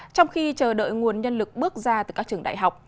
trong khi chờ đợi nguồn nhân lực bước ra từ các trường đại học